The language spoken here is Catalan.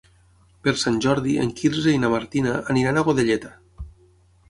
Per Sant Jordi en Quirze i na Martina aniran a Godelleta.